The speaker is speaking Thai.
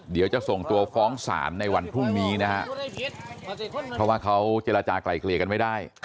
เดี๋ยวจะส่งตัวฟ้องศาลในวันพรุ่งนี้นะฮะเพราะว่าเขาเจรจากลายเกลี่ยกันไม่ได้